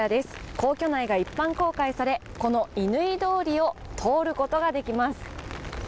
皇居内が一般公開され、この乾通りを通ることができます。